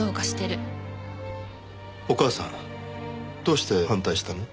お母さんどうして反対したの？